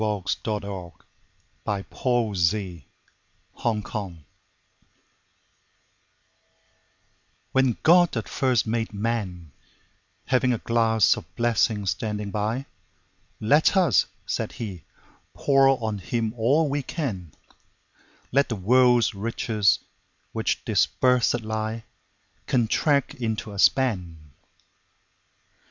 George Herbert 224. The Pulley WHEN God at first made Man, Having a glass of blessings standing by—Let us (said He) pour on him all we can; Let the world's riches, which dispersèd lie, Contract into a span.